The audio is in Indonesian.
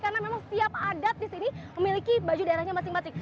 karena memang setiap adat di sini memiliki baju daerahnya masing masing